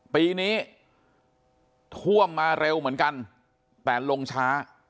ปีนี้ท่วมมาเร็วเหมือนกันแต่ลงช้า